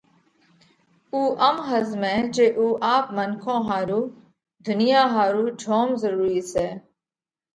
اُو ام ۿزمئه جي اُو آپ منکون ۿارُو، ڌُنيا ۿارُو جوم ضرُورِي سئہ۔